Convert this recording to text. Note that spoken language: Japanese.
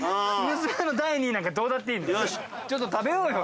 娘の第２位なんかどうだっていいんだよ。